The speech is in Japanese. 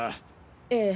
ええ。